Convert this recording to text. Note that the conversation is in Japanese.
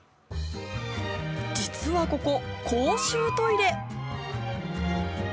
実はここ、公衆トイレ。